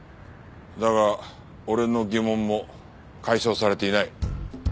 だが俺の疑問も解消されていない。